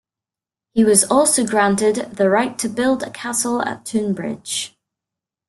He was also granted the right to build a castle at Tonbridge.